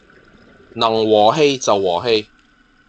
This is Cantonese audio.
能和氣就和氣